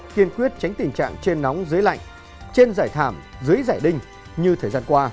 kiên quyết tránh tình trạng trên nóng dưới lạnh trên giải thảm dưới giải đinh như thời gian qua